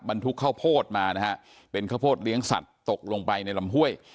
ทุกข้าวโพดมานะฮะเป็นข้าวโพดเลี้ยงสัตว์ตกลงไปในลำห้วย